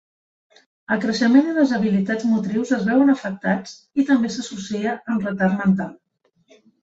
El creixement i les habilitats motrius es veuen afectats, i també s'associa amb retard mental.